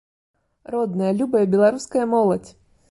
Родная, любая беларуская моладзь!